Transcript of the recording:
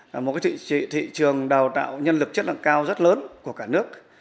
là một thị trường đào tạo nhân lực chất lượng cao rất lớn của cả nước